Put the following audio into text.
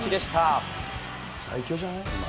最強じゃない、今？